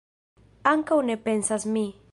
Ankaŭ ne pensas mi.